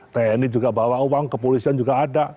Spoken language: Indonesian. tni juga bawa uang kepolisian juga ada